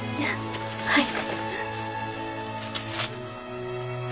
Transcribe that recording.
はい。